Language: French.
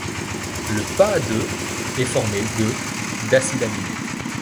Le pas de est formé de d'acides aminés.